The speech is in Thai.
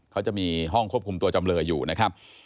เขาจะมีห้องควบคุมตัวจำเลยอยู่นะครับ